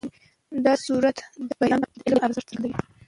دا سورت په اسلام کې د علم ارزښت څرګندوي.